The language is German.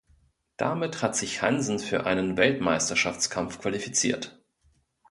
Damit hat sich Hansen für einen Weltmeisterschaftskampf qualifiziert.